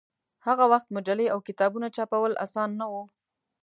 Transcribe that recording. هغه وخت مجلې او کتابونه چاپول اسان نه و.